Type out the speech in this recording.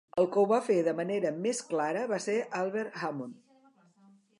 El que ho va fer de manera més clara va ser Albert Hammond.